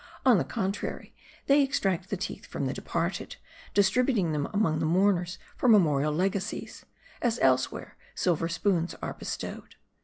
On the contrary, they extract the teeth from the departed, dis tributing them among the mourners for memorial legacies ; as elsewhere, silver spoons are bestowed.